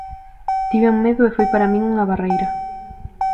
Tiven medo e foi para min unha barreira.